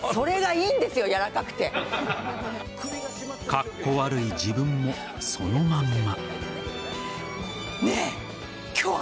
カッコ悪い自分もそのまんま。